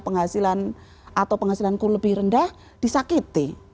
penghasilan atau penghasilanku lebih rendah disakiti